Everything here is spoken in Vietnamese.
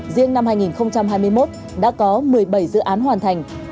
riêng năm hai nghìn hai mươi một đã có một mươi bảy dự án hoàn thành